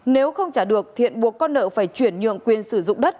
nếu không trả được thiện buộc con nợ phải chuyển nhượng quyền sử dụng đất